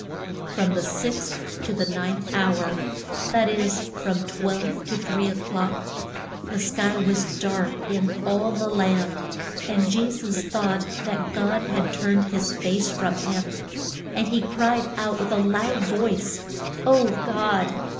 From the sixth to the ninth hour that is, from twelve to three o'clock the sky was dark in all the land. And Je sus thought that God had turned his face from him. And he cried out with a loud voice O God!